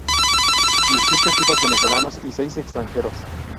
Dieciocho equipos venezolanos y seis extranjeros.